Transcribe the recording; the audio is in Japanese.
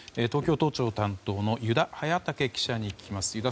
東京都庁担当の油田隼武記者に聞きます。